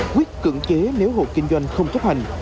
quyết cưỡng chế nếu hộ kinh doanh không chấp hành